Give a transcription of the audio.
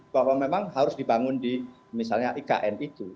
bahwa memang harus dibangun di misalnya ikn itu